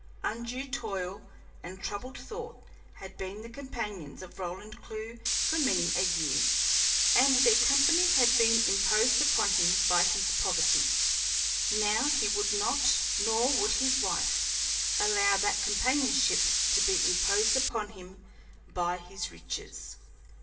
Undue toil and troubled thought had been the companions of Roland Clewe for many a year, and their company had been imposed upon him by his poverty; now he would not, nor would his wife, allow that companionship to be imposed upon him by his riches.